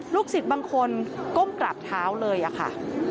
ลูกศิษย์บางคนก้มกราบเท้าเลยค่ะ